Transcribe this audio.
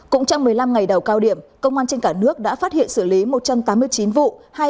cũng trong một mươi năm ngày đầu cao điểm công an trên cả nước đã phát hiện xử lý một trăm tám mươi chín vụ